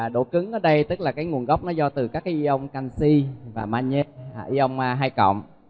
độ cứng ở đây tức là cái nguồn gốc nó do từ các ion canxi và manhê ion hai cộng